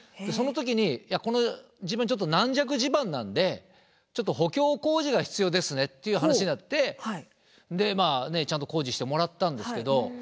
その時にいやこの地盤ちょっと軟弱地盤なんでちょっと補強工事が必要ですねっていう話になってでまあちゃんと工事してもらったんですけど。